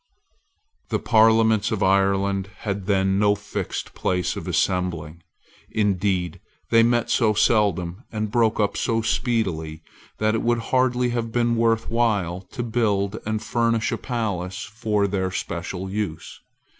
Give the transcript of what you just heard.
The Parliaments of Ireland had then no fixed place of assembling. Indeed they met so seldom and broke up so speedily that it would hardly have been worth while to build and furnish a palace for their special use.